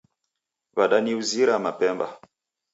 Wadaniuzira mapemba .